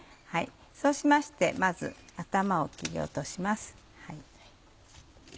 そうしましてまず頭を切り落とします。